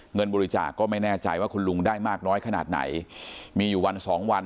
เงินบริจาคก็ไม่แน่ใจว่าคุณลุงได้มากน้อยขนาดไหนมีอยู่วันสองวัน